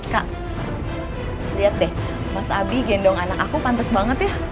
kak lihat deh mas abi gendong anak aku pantas banget ya